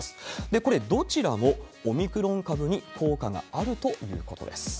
これ、どちらもオミクロン株に効果があるということです。